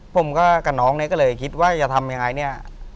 ผมก็กับน้องเนี่ยก็เลยคิดว่าจะทำยังไงเนี่ย